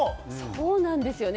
そうなんですよね。